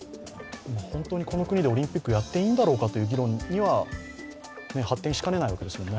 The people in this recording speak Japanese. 本当にこの国でオリンピックをやっていいんだろうかという議論に発展しかねないわけですもんね。